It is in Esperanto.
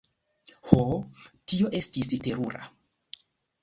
Ho, tio estis terura!